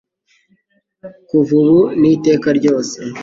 kuva ubu n’iteka ryose